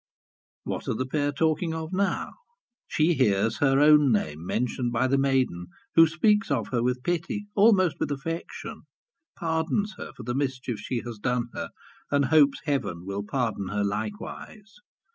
What are the pair talking of now? She hears her own name mentioned by the maiden, who speaks of her with pity, almost with affection pardons her for the mischief she has done her, and hopes Heaven will pardon her likewise.